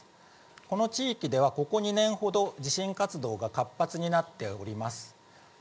この地域では、ここ２年ほど地震活動が活発になっております。